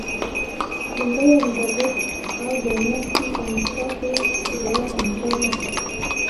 لومړۍ الیزابت او ځایناستي امریکا کې تجارت انحصار نه کړل.